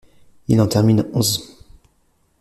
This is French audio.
Il en termine onze.